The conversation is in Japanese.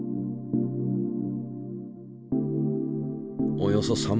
およそ３ｍ。